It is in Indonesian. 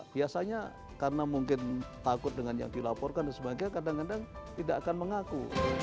biasanya karena mungkin takut dengan yang dilaporkan dan sebagainya kadang kadang tidak akan mengaku